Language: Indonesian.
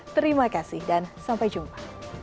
terima kasih dan sampai jumpa